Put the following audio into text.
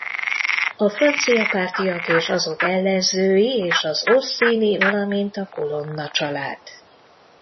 A francia-pártiak és azok ellenzői és az Orsini valamint a Colonna család.